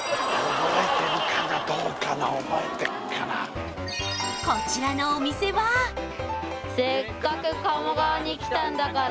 覚えてるかなどうかな覚えてっかな「せっかく鴨川に来たんだから」